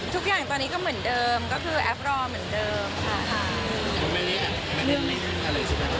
ทุกอย่างตอนนี้ก็เหมือนเดิมก็คือแอฟรอเหมือนเดิมค่ะ